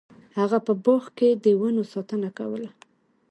هغه په باغ کې د ونو ساتنه کوله.